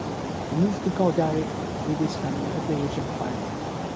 He moved to Calgary with his family at the age of five.